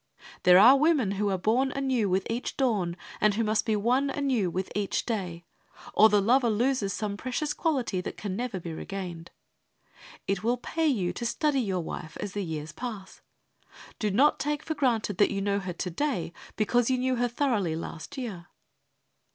There are women who are born anew with each dawn, and who must be won anew with each day, or the lover loses some precious quality than can never be regained. It will pay you to study your wife as the years pass. Do not take for granted that you know her to day, because you knew her thoroughly last year.